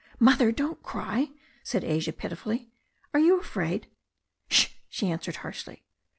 "Mother, don't cry," said Asia pitifully. "Are you afraid ?" "Sh!" she answered harshly.